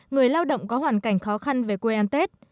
người lao động có hoàn cảnh khó khăn về quê ăn tết